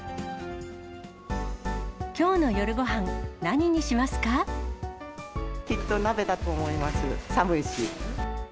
きょうの夜ごはん、何にしまきっと鍋だと思います。